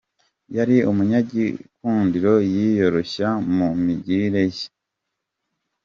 Yari umunyagikundiro, yiyoroshya mu migirire ye.